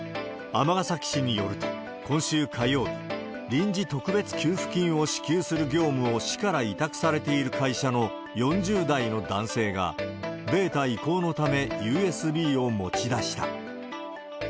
尼崎市によると、今週火曜日、臨時特別給付金を支給する業務を市から委託されている会社の４０代の男性が、データ移行のため、ＵＳＢを持ち出した。